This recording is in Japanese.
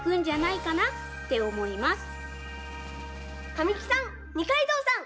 神木さん二階堂さん